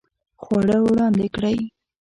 خواړه وړاندې کړئ